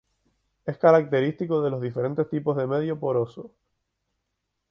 Es característico de los diferentes tipos de medio poroso.